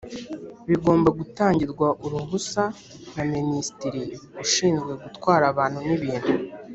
bigomba gutangirwa uruhusa na Minisitiri ushinzwe Gutwara Abantu n lbintu